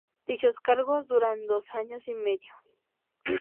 Dichos cargos duran dos años y medio.